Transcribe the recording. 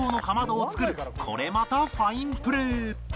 これまたファインプレー